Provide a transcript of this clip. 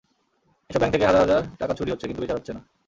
এসব ব্যাংক থেকে হাজার হাজার টাকা চুরি হচ্ছে, কিন্তু বিচার হচ্ছে না।